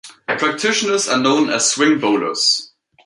Practitioners are known as swing bowlers.